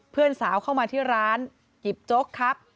เพื่อนสาวเข้ามาที่ร้านหยิบโจ๊กครับ